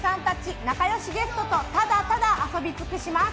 仲よしゲストとただただ遊び尽くします！